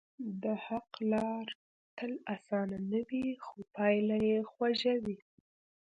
د حق لار تل آسانه نه وي، خو پایله خوږه وي.